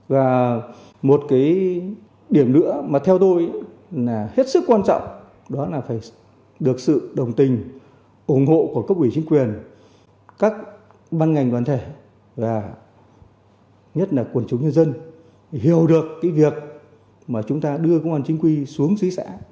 và một cái điểm nữa mà theo tôi là hết sức quan trọng đó là phải được sự đồng tình ủng hộ của cấp ủy chính quyền các ban ngành đoàn thể là nhất là quần chúng nhân dân hiểu được cái việc mà chúng ta đưa công an chính quy xuống xứ xã